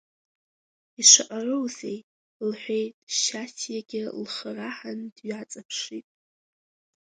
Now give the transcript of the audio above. Ишаҟароузеи, — лҳәеит Шьасиагьы лхы раҳан дҩаҵаԥшын.